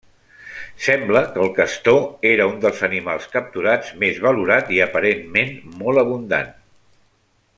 Sembla que el castor era un dels animals capturats més valorat i aparentment molt abundant.